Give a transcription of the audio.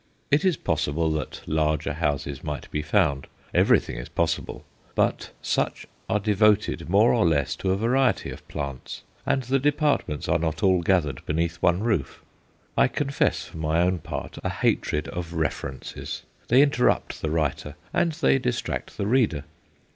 It is possible that larger houses might be found everything is possible; but such are devoted more or less to a variety of plants, and the departments are not all gathered beneath one roof. I confess, for my own part, a hatred of references. They interrupt the writer, and they distract the reader.